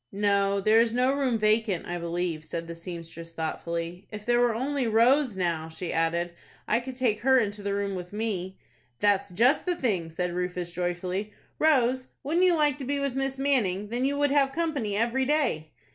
"No, there is no room vacant, I believe," said the seamstress, thoughtfully. "If there were only Rose, now," she added, "I could take her into the room with me." "That's just the thing," said Rufus, joyfully. "Rose, wouldn't you like to be with Miss Manning? Then you would have company every day."